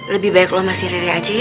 lebih baik lo sama si rere aja ya